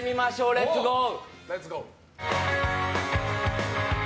レッツゴー！